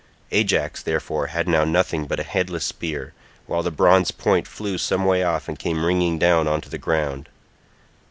Ajax, therefore, had now nothing but a headless spear, while the bronze point flew some way off and came ringing down on to the ground.